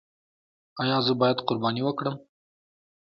ایا زه باید قرباني وکړم؟